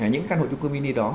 những căn hộ trung cư mini đó